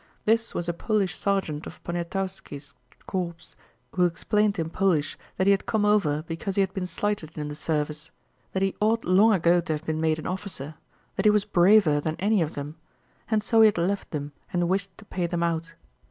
This was a Polish sergeant of Poniatowski's corps, who explained in Polish that he had come over because he had been slighted in the service: that he ought long ago to have been made an officer, that he was braver than any of them, and so he had left them and wished to pay them out.